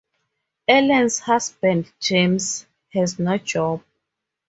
Ellen's husband, James, has no job.